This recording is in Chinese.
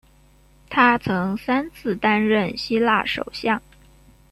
他曾三次担任希腊首相。